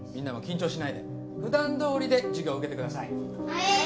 はい。